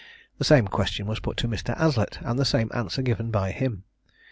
The same question was put to Mr. Aslett, and the same answer given by him.